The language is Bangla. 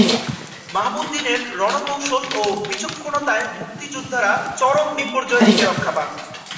মাহবুব উদ্দিনের রণকৌশল ও বিচক্ষণতায় মুক্তিযোদ্ধারা চরম বিপর্যয় থেকে রক্ষা পান।